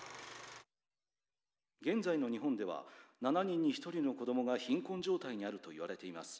「現在の日本では７人に１人の子供が貧困状態にあるといわれています。